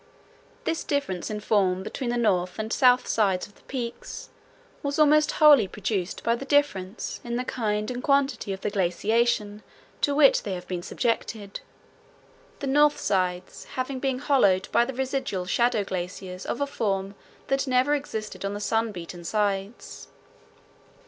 This difference in form between the north and south sides of the peaks was almost wholly produced by the difference in the kind and quantity of the glaciation to which they have been subjected, the north sides having been hollowed by residual shadow glaciers of a form that never existed on the sun beaten sides.